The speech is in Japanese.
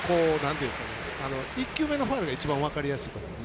１球目のファウルが一番分かりやすいと思います。